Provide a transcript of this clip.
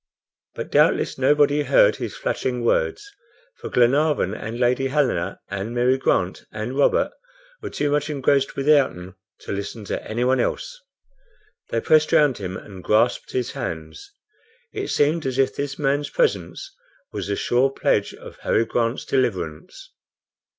But, doubtless, nobody heard his flattering words, for Glenarvan and Lady Helena, and Mary Grant, and Robert, were too much engrossed with Ayrton to listen to anyone else. They pressed round him and grasped his hands. It seemed as if this man's presence was the sure pledge of Harry Grant's deliverance.